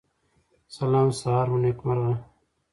سلام سهار مو نیکمرغه